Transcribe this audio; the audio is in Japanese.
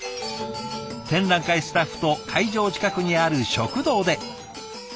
展覧会スタッフと会場近くにある食堂で。